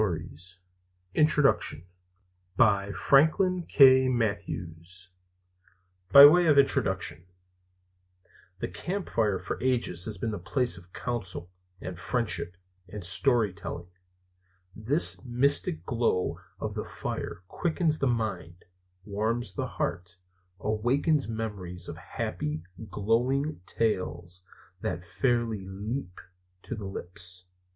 PRINTED IN THE UNITED STATES OF AMERICA BY WAY OF INTRODUCTION THE campfire for ages has been the place of council and friendship and story telling. The mystic glow of the fire quickens the mind, warms the heart, awakens memories of happy, glowing tales that fairly leap to the lips.